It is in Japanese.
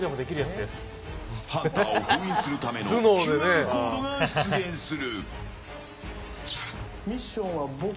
ハンターを封印するためのＱＲコードが出現する。